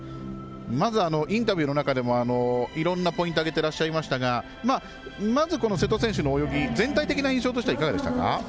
まず、インタビューの中でもいろんなポイントを挙げていらっしゃいましたがまず瀬戸選手の泳ぎ全体的な印象としてはいかがでしたか？